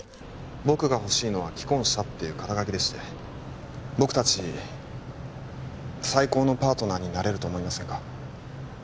僕が欲しいのは「既婚者」っていう肩書でして僕達最高のパートナーになれると思いませんか？